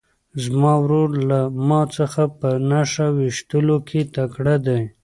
زما ورور له ما څخه په نښه ویشتلو کې تکړه دی.